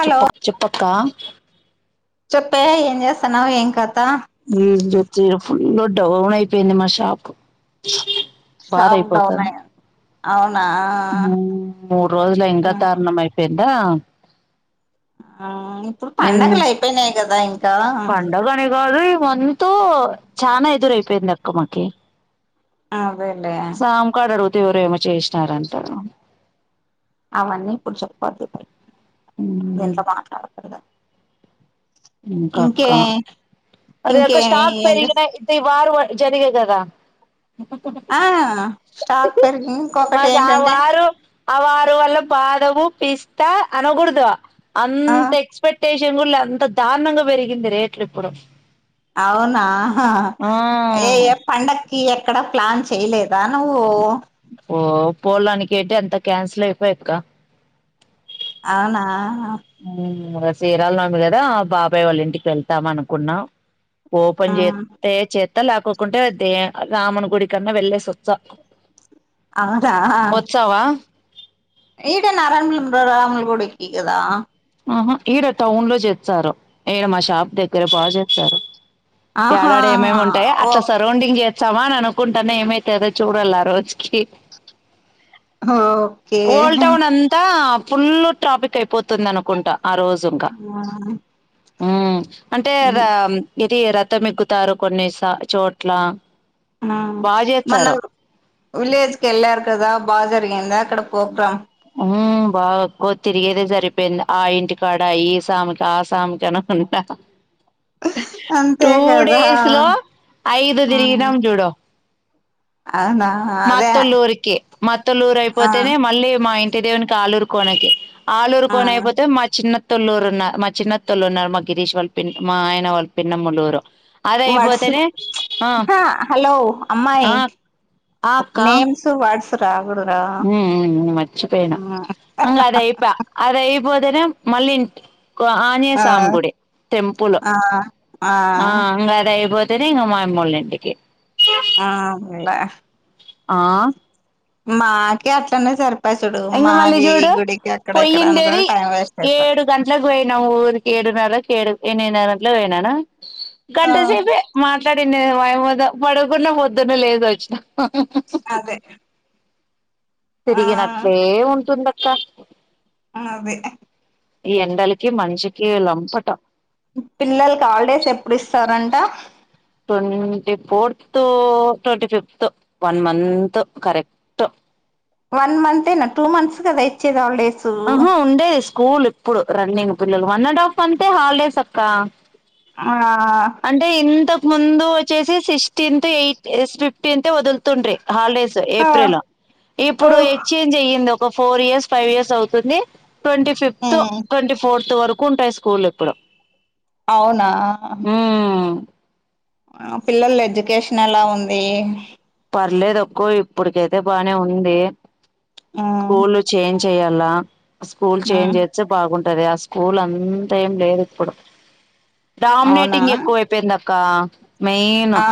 Hello చెప్పక్ చెప్పక్క చెప్పే ఏం జెస్తన్నావ్ ఏం కథ వేంజ్ వొచ్చి ఫుల్ డౌనిపోఇంది మాషాపు షాబ్ డౌనయిన అవును మూ మూడ్ రోజుల ఇంక దారుణం అయిపోయింది ఆ ఆ ఇప్పుడు పండగలు ఐయిపోయినాయి కదా ఇంకా వంతూ చాన ఎదురైపోయింద అక్క మాకి ఆ సాముకాడ్ అడుగుత్ ఎవరేమి చేశినారంట అవన్నీ ఇప్పుడు చెప్పద్దు ఎంత మాట్లాడుత ఇంక అక్క అదె ఒక ఇంకేమి స్టార్క్ ఏం చేస్ పెరిగినయ్ ఇది వాడు పోయి ఇ జరిగే గదా ఆ స్టాక్ పెరిగి ఇంకొకటి మాకు ఆ ఏంటంటే వారు ఆ వాడు వాళ్ళ బాధవు పిస్తా అనగూడదు ఆ అంత ఎక్స్పెక్ట్ షం కు అంత దారుణంగా పెరిగింది రేట్లు ఇప్పుడు అవునా ఆ ఏయ పండక్ ఈ ఎక్కడా ప్లాన్ చేయలేదా నువ్వు ఓ పోలానికి ఏంటే అంత క్యాన్సిల్ అయిపోయాక్క అవునా ఇంకేమి మొన్న శ్రీరామనవమి కదా బాబాయ్ వాళ్ళ ఇంటికి వెళ్తాం అనుకున్నాం ఆ ఓపన్ చేస్తే చే అత్తా లేకుంటే రామని గుడి కన్నా వెలేసివచ్చా అవునా ఈట నరంలం రాములు కూడాడి కదా ఆహా ఈయడ టౌన్ లో జేస్తారు ఈయడ మా షాప్ దగ్గర బాగా చేస్తారు ఆహా ఏడాడ ఏమేమి ఉంటాయి ఓ అట్లా సరౌండింగ్ సమాన్ అనుకుంటానే ఏమైతు అదో చూడాలి ఆ రోజు కి ఓకే ఓల్ టౌన్ అంతా ఫుల్ ట్రాఫిక్ అయిపోతుంది అను కొంట ఆ ఊ అంటే దాం ఎ ఇది రథం ఎక్కుతారు కొన్ని సా చోట్ల ఆ బాగా మన్న చేస్తారు విలేజ్ కి వెళ్లారు కదా బాగా జరిగిందా అక్కడ ప్రోగ్రాం ఊ బాగా క్కోవ్ తిరిగేదే సరిపోయింది ఆ ఇంటి కాడ ఈ స్వామికి ఆ స్వామికి అనుకుంటా అంతే టూ కదా డేస్ లో ఐదు ఆ తిరిగినం జూడు అవునా అదే మాత్తల్లూరికి మాత్తలూరు ఆ అయిపోతేనే మళ్ళీ మా ఇ ఎట్టదేవనికి ఆలురుకోనకి ఆలూరు ఆ కోన అయిపోతే మా చిన్న తొళ్లూరు ఉన్నా మా చిన్నత్తోల్లున్నారు మా గిరీష్ వాళ్ళ పిన్నికి మా ఆయన వాళ్ళ పిన్నమ్మళ్ళోరు వర్డ్స్ హా హలో ఆ అమ్మాయి నేమ్స్ వ వాడ్స్ రావు హ్మ్ ఉ మర్చిపోయనా మల్లింట్ ఆనే ఆ ఆ సామి గుడి టెంపుల్ ఆ ఆ ఇంకదయిపోత్ తేనే మయమ్మాళ్ళింటికి ఆ ఇంగ ఆ మాకి అట్లనే సరి ప్ ఇంక మళ్ళీ చూడు ఇక్కడ అనుకుని పొయ్యిండేది టైం వేస్ట్ అయిపోతది ఏడు గంట్లకు పోయిన ఊరికి ఏడున్నర ఏడు ఎన్మిది న్నర అట్ల పోయినానా గంట సేపే మా మాట్లాడిన ఆమెతో పడకున్నా పొద్దున్నే లేసొచ్చిన అదే ఆ తిరిగినట్లే ఉంటుందక్క అదే ఈ ఎండలకి మన్షికి లంపటం పిల్లలకి హాల్డేస్ ఎప్పుడు ఇస్తారంట. Twenty fourth twenty fifth one month correct one మంతేనా టూ మంత్స్ కదా ఇచ్చేది ఆల్ డేస్ ఆహా ఉండే స్కూల్ ఇప్పుడు రన్నింగ్ పిల్లలు వన్ అండ్ హాఫ్ అంటే హాలిడేస్ అక్క ఆ అంటే ఇంతకు ముందు వచ్చేసి సిక్స్టీన్త్ ఎయిట్ ఫిఫ్టీన్ వదులుతుండ్రి హాలిడేస్ ఆ ఏప్రిల్ ఓ ఇప్పుడు ఎక్స్చేంజ్ అయ్యింది ఒక ఫోర్ ఇర్ ఫైవ్యర్స్ అవు తుంది ట్వంటీ ఫిఫ్త్ ఉమ్ ట్వంటీ ఫోర్త్ వరక్ ఎక్కువుంటయి స్కూల్ ఇప్పుడు అవునా ఉమ్ ఆ పిల్లలు ఎడ్యుకేషన్ ఎలా ఉంది పర్లేదు ఎక్కువ ఇప్పుడు కైతే బానే ఉంది ఉమ్ స్కూలు చేంజ్ చేయలా స్కూల్ చేంజ్ ఉమ్ చేస్తే బాగుం గుంటది ఆ స్కూల్ అంతా ఏం లేదు ఇప్పుడు అవునా డామినేటింగ్ ఎక్కువ అయిపోయింది అక్ కా మెయిన్ ఆ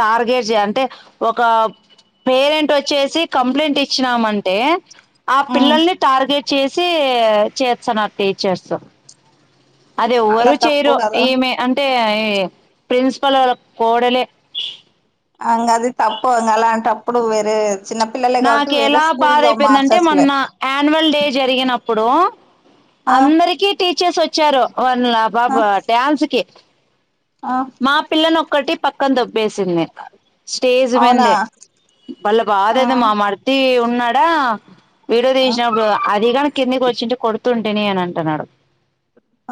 టార్గెట్ చే టె ఒక పేరెంట్ వచ్చేసి కంప్లైంట్ ఇచ్చినామంటే ఆ ఉమ్ పిల్లల్ని టార్గెట్ చేసి చేస్తన్నారు టీచర్స్ అదెవ్వరు అలా తప్పు చేయరు కదా ఈమె అంటే ఈ ప్రిన్సిపలు కోడలే అంగ అది తప్పు ఇంగ అలాంటప్పుడు వేరే చిన్న పిల్లలే కాబట్టి నాకు వేరే ఎలా స్కూల్ బాధ లో అయిపోయిందంటే మార్చచ్చులే మొన్న యాన్యువల్ డే జరిగినప్పుడు ఆ అందరికి టీచర్స్ వచ్చారు వల్ల ఆ పాప డ్యాన్స్ కి ఆ మా పిల్లను ఒ ఒక్కటి పక్కన దొబ్బేసింది స్టేజ్ అవునా మిందే వాళ్ళ ఆ బాదేందో మా మర్ది ఉ ఉన్నాడా వీడియో ఆ తీసినప్పుడు అది గన కిందికి వచ్చింటే కొడుతుంటిని అని అంటున్నాడు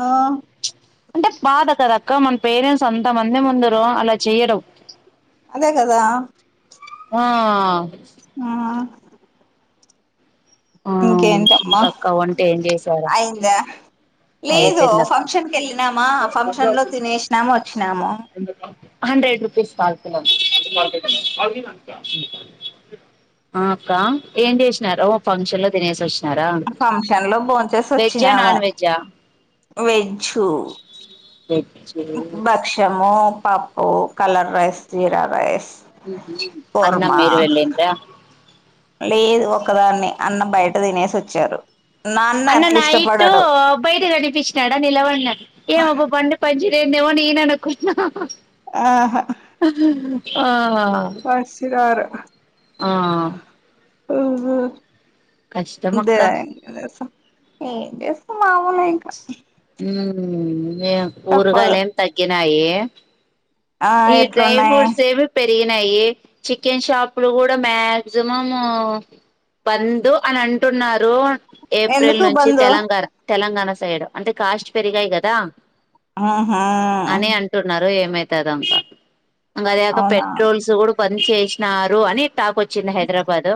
ఆ అంటే బాధ కద అక్క మన పేరెంట్స్ అంతమంది ముందర అలా చేయడం అదే కదా ఆ ఆ ఆ ఇంకేంటమ్మా ఇంకక్క వంట ఏం చేశార అయిందా లేదు ఫంక్షన్ కెళ్ళినామా ఫంక్షన్ లో తినేసినాము వచ్చినాము హండ్రెడ్ రూపీస్ ఆ అక్క ఏం చేసినారూ ఫంక్షన్ లో తినేసి వచ్ ఫంక్షన్ లో బోంచేసి వచ్చినాము నాన్ వెజ్జా వెజ్జు వెజ్ భక్షమూ పప్పు colour rice jeera rice kurma అన్నమీరు వెళ్ళిన్రా ఒకదాన్నే అన్నం బయట తినేసి వచ్చారు నాన్న అన్న అట్లా నైటు ఇష్టపడడు బయట గనిపించినాడా నిలవడినట్టు ఏమబ్బ బండి పనిచే [unintelligible] నిన్నేమో నేననుకున్నా ఆహా ఆ వస్తున్నారు ఆ ఊహూ కష్టం అక్క ద్య‌ [unintelligible] ఏం చేస్తాం మామూలే ఇంకా ఊ తప్పదు కూరగాయలు ఏమి తగ్గినాయి ఆ ఈ డ్రై ఎట్లున్నాయి ఫ్రూట్స్ ఏవి పె పోయినాయి చికెన్ షాప్లు కూడా మాక్సిమం బంద్ అని అంటున్నారు ఏప్రిల్ ఎందుకు నుంచి బందు తెలంగాణ తెలంగాణ సైడ్ అంటే కాస్ట్ పెరిగాయి కదా ఆహా [unintelligible] ఇంగ అది కాక పెట్రోల్స్ కూడా బంద్ చేసి న్నారు అని టాక్ వచ్చింది హైదరాబాద్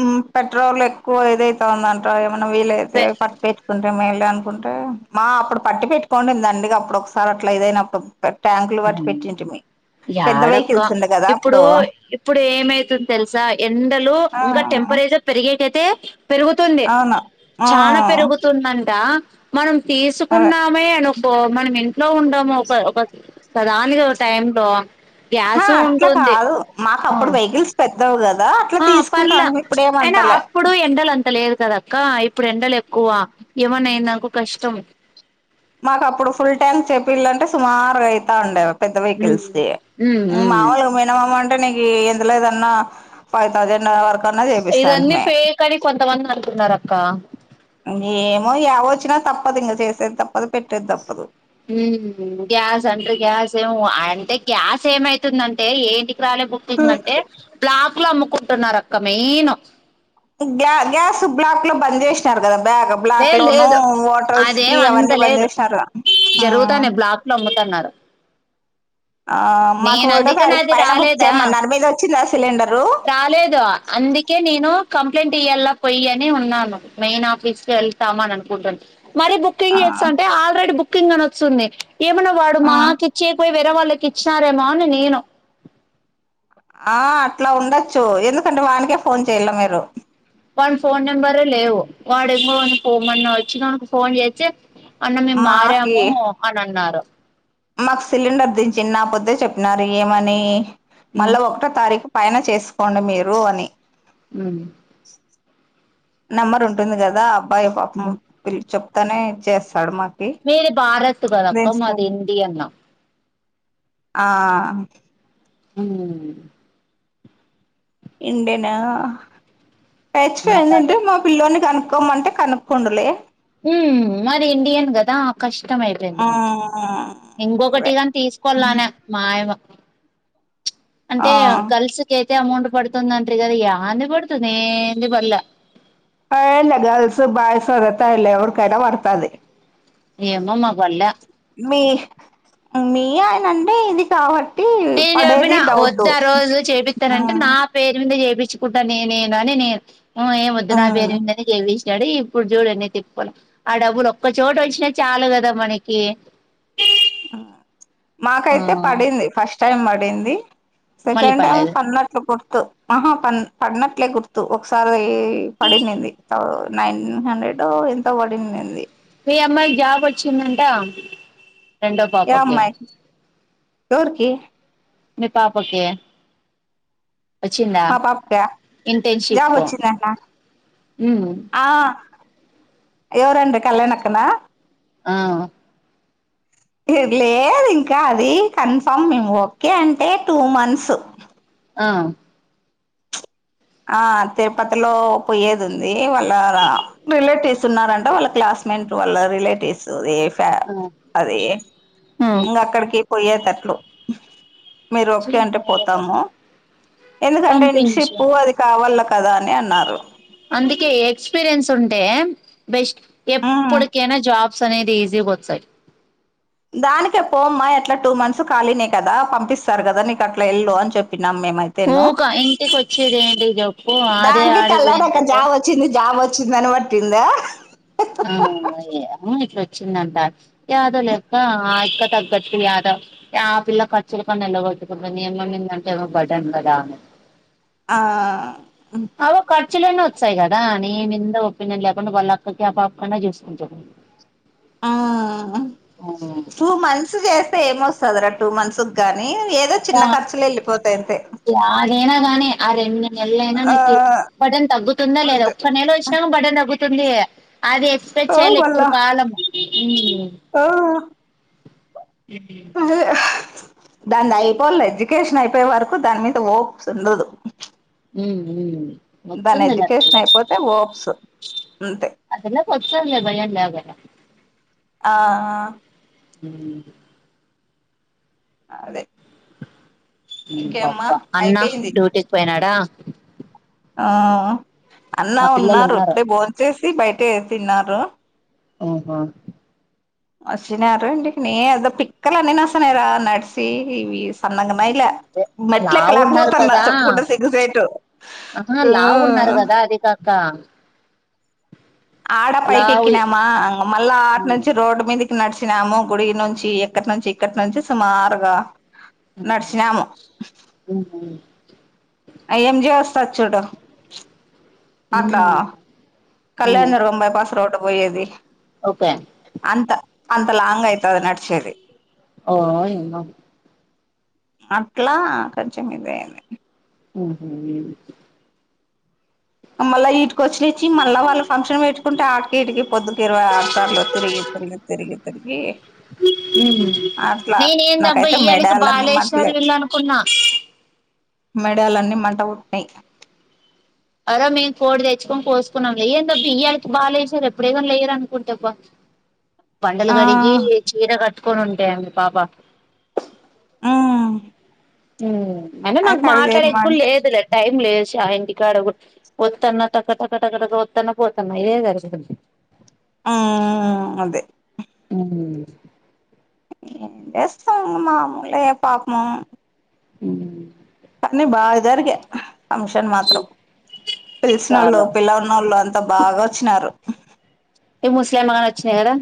ఊ పెట్రోల్ ఎక్కువ ఇదైతాందంట ఏమన్నా వీళైతే పె పట్టించుకుంటే మేళే అన్ కుంటే మా అప్పుడు పట్టి పెట్టుకోంటిమి దండిగా అప్పుడు ఒకసారి అట్లా ఇదయినప్పుడు పెద్ద ఏడక్క వెహికల్స్ ఉండే కదా ఇప్పుడు అప్పుడు ఇప్పుడు ఏమైతుంది తెలుసా ఎండలు ఆ ఇంకా టెంపరేచర్ పెరిగి ఏకైతే పెరుగుతుంది అవును ఆ చానా పెరుగుతుందంట మనం అదే తీసుకున్నామే అను కో మనం ఇంట్లో ఉండము ఒక ఒక ఒకదానికొక టైం లో గ్యాసు అట్లా ఉంటుంది కాదు మాకు ఆ అప్పుడు వెహికల్స్ పెట్ట దౌ కదా అట్లా ఆ పర్లే తీసుకుంటాను అయినా ఇప్పుడేమంతలే అప్పుడు ఎండలు అంతా లేదు కదక్క ఇప్పుడు ఎండలు ఎక్కువ ఏమన్నా అయిందనుకో కష్టం మాకు అప్పుడు ఫుల్ ట్యాంక్ చేపిల్లంటే సుమారు అయితండ్య పెద్ద వెకిల్స్ ది మామూలుగా మినిమమ్ అన్ తనకి ఎంత లేదన్న ఫైవ్ తౌసండ్ వరక్ ఇదన్నీ ఫేక్ అని కొంతమంది అనుకున్నారూ అక్క ఏమో యావ వచ్చినా తప్పదు ఇంగ చేసేద్దాం పొద పెట్టేది తప్పదు ఉ గ్యాస్ అంటారు. గ్యాస్ ఏం, అంటే గ్యాస్ ఏమైతుందంటే ఏంటి. కి రాలే బుకింగ్ అంటే బ్లాక్ లా అమ్ముక్ కుంటున్నారు అక్క మెయిన్ గ్యా గ్యాస్ బ్లాక్ లో బంద్ చేసినారు కదా బ్యాగ్ బ్లాక్ లేదు లోనూ లేదు హోటల్స్ అదేం కి అంత అవన్నీ బంద్ లేదు చేసినారు జరుగుతానే బ్లాక్ లో [inaudible] ఆ మాకు నేను ఒకటో అందుకని తారీఖు అది పైన బుక్ రాలేదా చెయ్యమన్నారు. మీది వచ్చిందా సిల్ రాలేదు అందుకే నేను కంప్లైంట్ ఇయ్యలా పోయి అని ఉన్నాను. మెయిన్ ఆఫీస్ కి వెళ్తాం అని అనుకుంటున్నా. మరి ఆ బుకింగ్ చేస్తుంటే ఆల్రెడీ. బుక్ కింగ్ అని వస్తుంది ఏమన వాడు ఆ మా కిచ్చి పోయ్ వేరే వాళ్ళకి ఇచ్చారేమో అని నేను ఆ అట్లా ఉండొచ్చు. ఎందుకంటే వానికే ఫోన్ చెయ్యల్ల మీరు వానీ ఫోన్ నెంబర్ లేవు. వాడేమో మన ఇచ్చిన ఫోన్ చెచ్చే అన్న మేము మాకి మారాము అని అన్నారు మాకు సిలిండర్ దించి నా పొద్దె చెప్పినారు ఏమని మ్ మళ్ళా ఒకటో తారీఖు పైన చేసుకోండి మీరు అని మ్మ్ నెంబర్ ఉంటుంది కదా అయ్యో పాపం వెళ్లి చెప్ తనే చేస్తాడు. మా మీది భారత్ కాదా అక్కా. మాది ఇండియను ఆ హ్మ్ ఇండియన్ నా హెచ్ అయిందంటే నాకదే మా పిల్ల్లోడిని కానప్ కోమ్మంటే కనుక్కొండులే మ్మ్ మాది ఇండియన్ కదా కష్టం ఆ అయిపోయింది. అదే ఇంకొకటిగాని తీసుకోవాలన మాయమ అంటే ఆ గర్ల్స్కైతే అమౌంట్ పడుతుంది అంట్రి కాదా యంది బడుతుంది యేంది పల్లె అ ఏమీలేదు గర్ల్స్ బాయ్స్ ఎవరికైనా పడతాది. ఏమో మాకు పల్లె మీ మీ ఆయనంటే ఇది కావట్ నేను చెప్పిన వద్దు ఆ రోజు చేపిస్తానంటే నా మ్మ్ పేరు మీద చేపిస్ తెచ్చుకుంటా నేనే నని నేను మ్మ్ ఏం వద్దు నా మ్మ్ పేరు విన్నది దేవిచ్ ఈడ ఇప్పుడు చూడ అన్నీ తిప్పళ్లు ఆ డబ్బులు ఒక్క చోట వచ్చినా చాలు కదా మనకి మ్మ్ ఆ మాకైతే పడింది ఫస్ట్ టైమ్ మరింది మళ్ళీ సెకండ్ టైమ్ పర్లేదు పన్నట్లు గుర్త్ కో ఆహా ప పడినట్లే గుర్తు ఒకసారి వెయ్ యి పడిందింది త నైన్ హండ్రెడో ఎంత పడిన్నింది ఏ అమ్మాయికి జాబ్ వచ్చందంటా ఎ అమ్మాయికి ఎవడుకి ని పాపకి వచ్చిందా మా పాపక ఇంటర్న్షిప్ జావచ్చందంటన ఉమ్ ఆ ఎవరండి కళ్యాణక్కనా ఆ లే లేదు ఇంకా అది కన్ఫామ్ మేము ఓకే అంటే టూ మంత్స్ ఆ ఆ తిరుపతిలో పొయ్యేది ఉంది వాళ్ళ రిలేటివ్స్ ఉన్నరంట వాళ్ళ క్లాస్మేట్ వాళ్ళ రిలేటివ్స్ అదే ఇం అక్కడికి పోయే తట్ హలో మీరు ఓకే అంటే పోతాము ఎందుకంటే షిప్ పంపించు కావాల్ల కదా అందుకే ఎక్స్పీరియన్స్ ఉంటే బెస్ట్ ఉమ్ ఎప్పుడుకేనా జాబ్ స్ అనేది ఈజీగా వచ్చాయ్ దానికే పో అమ్మా ఎట్లా టూ మంత్స్ ఖాళీనే కదా పంపిస్తారు కదా నీకు అట్లా వెళ్లు అని చెప్పి ఊకా ఇంటికి వచ్చేదేంటి జెప్పు అడే ఆడేపోయిందంటే చిన్నని పట్టిందా ఆవును అయ్ అవును ఇట్లా వచ్చిందంట యాదో లే అక్క ఆ ఇక్క తగ్గట్టుకు యాదో ఆ పిల్ల ఖర్చులు కొన్ని ఎల్లగొట్టుకుంటుంది ఏమంనిందంటే ఏమో బడన్ కదా ఆ ఖచ్చులయిన వచ్చాయి కదా నీ మీంద ఒపీనియన్ లేకుండా వాళ్ళక్క యా పాప కన్నా చూసుకుంటది ఆ టూ మంత్స్ చేస్తే ఏమొస్తదిరా టూ మంత్సకు గా నీ ఏదో చిన్న ఖర్చులు వెళ్ళిపోతాయి అంతే నేనేగానీ అదేమీ నెలైనా ఆ నీకి బటన్ తగ్గుతుందా లేదా అంతే ఒక నెల వచిన బటన్ తగ్గుతు తుంది అది ఎక్స్పెక్ట్ ఆ చేయాలి ఇప్పుడు మళ్ళా కాలం ఆ హు హు దాంది అయిపోద్ లే ఎడ్యుకేషన్ అయిపోయే వరకు దాని మీద ఓప్స్ ఉండదు హుమ్ హు దాని ఎడ్యుకేషన్ అయిపోతే ఓప్స్ అంతే ఆ పిల్లకి వచ్చుందిలే భయం లేకుండా ఆ హుమ్ అదే ఇంకేమ్మా అన్నా అయిపోయింది డ్యూటీకి పోయినాడా ఆ అన్న మా పిల్లలు ఉన్నారు ఇప్పుడే బోంచేస్ బయటే తిన్నారు హుమ్ హు వచ్చినారు ఇంటికి నేనే ఏదో పిక్కలు అన్ నడుస్తున్నారు ఆడ్ నడ్సి సన్నగ నయ్యిలా అంతే మెట్లు లావు ఉన్నారు ఎక్కలేకపోతున్న కదా చెప్పుకుంటే సిగ్గుచేటు ఆహా లావు ఉన్నారు కదా అది కాక ఆడ పైకి లావు ఎకినామా అ మళ్ళా ఆట ఉమ్ నుంచి రోడ్డు మీదికి నడిసినాము గుడి నుంచి ఎక్కట్ నుంచి ఇక్కట్ నుంచి సుమారుగా ఊ నడిచినాము ఊహూ అ ఎంజే వస్తారు చుడు అట్లా ఉమ్ ఉమ్ కళ్యాణదర్గం బై పాస్ రోడ్డు పో ఏది ఓకే అంత లాంగ్ అయితది నడిచేది ఓయమ్మ అట్లా ఖంచెం ఇద అయింది ఊహూ ఏమి మల్ల ఈట్ వచ్చినిచ్చి మళ్ళ వాళ్ళ ఫంక్షన్ పెట్టుకుంటే ఆ ఈటికి పోదు ఇరవై ఆరు సార్లు తిరిగి తిరిగి తిరిగి తిరిగి అట్లా నేనే ఏందబ్బా నాకైతే ఈ అళకి మెడాలన్నీ మంటలే బాలేశ్వరి వెళ్ళు అనుకున్నా మెడాలన్నీ మంట పుట్నై ఆరోజు మేము కోడి తెచ్చుకొని కోసుకున్నాం లే ఏందబ్బా ఇయాల కే బాలేసి ర్రు ఎప్పుడేగాని లేయరు అనుకుంటబ్బ ఆ బండలుగడిగి చీర క తెసుకొని ఉంటా పాపా హ్మ్ హ్మ్ ఆయన నాకు మాట్లాడేకు లేదు లే టైం లేదు షా ఇంటికాడ కూడా వత్తన్న టక్క టక్క టక్క ట వత్తన్న పోతున్నా ఇదే సరిపోయింది హ్మ్మ్ అదే ఉమ్ యేస్తా మాములే పాపము కానీ బాగా జరిగే ఫంషన్ మాత్రం పిలిసిన వాళ్ళు చాలా పిలన వాళ్ళు అంతా బాగా వచ్చినారు ఏ ముసిలయమ్మ వచ్చిన కదా